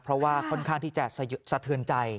เพราะว่าค่อนข้างที่จะสะเทือนใจ